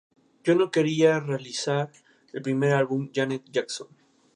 Yo no quería realizar el primer álbum, "Janet Jackson".